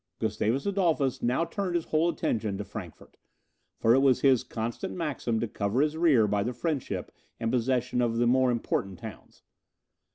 Gustavus Adolphus now turned his whole attention to Frankfort, for it was his constant maxim to cover his rear by the friendship and possession of the more important towns.